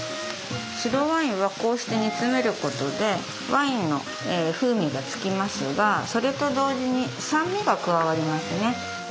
白ワインはこうして煮詰めることでワインの風味がつきますがそれと同時に酸味が加わりますね。